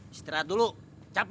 istirahat dulu capek